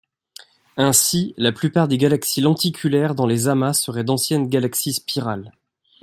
Ainsi, la plupart des galaxies lenticulaires dans les amas seraient d'anciennes galaxies spirales.